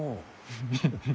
フフフ。